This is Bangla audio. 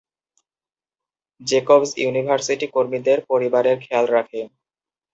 জেকবস ইউনিভার্সিটি কর্মীদের পরিবারের খেয়াল রাখে।